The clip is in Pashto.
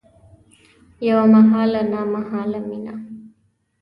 یوه محاله نامحاله میینه